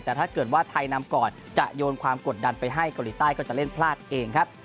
แต่ถ้าเกิดว่าไทยนำก่อนจะโยนความกดดันไปให้เกาหลีใต้ก็จะเล่นพลาดเองครับ